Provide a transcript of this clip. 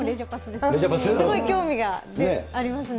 すごい興味がありますね。